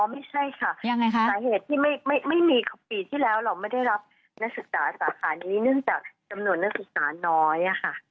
ไม่ใช่ค่ะสาเหตุที่ไม่มีปีที่แล้วเราไม่ได้รับนักศึกษาสาขานี้เนื่องจากจำนวนนักศึกษาน้อยค่ะ